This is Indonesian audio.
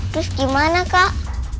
terus gimana kak